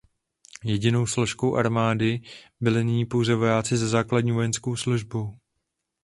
Jedinou složkou armády byli nyní pouze vojáci se základní vojenskou službou.